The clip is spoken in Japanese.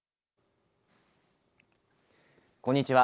こんにちは。